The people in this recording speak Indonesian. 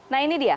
nah ini dia